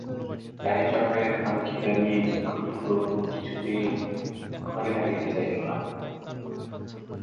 রাইচরণের খামখেয়ালী ক্ষুদ্র প্রভু কিছুতেই ঘরে থাকিতে চাহিল না।